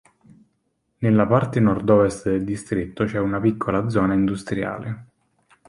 Nella parte nord-ovest del distretto c’è una piccola zona industriale.